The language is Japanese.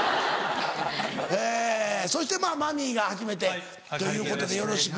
えそしてまぁマミィが初めてということでよろしく。